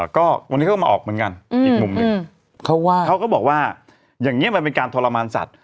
ก็วันนี้เขาก็มาออกเหมือนกันอีกมุมหนึ่งเขาก็บอกว่าอย่างนี้มันเป็นการทรมานสัตว